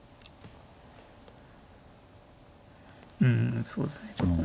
うんそうですね